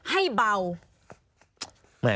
ให้เบา